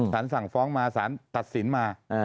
สารสั่งฟ้องมาสารตัดสินมา